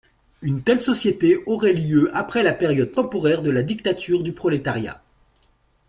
Une telle société aurait lieu après la période temporaire de la dictature du prolétariat.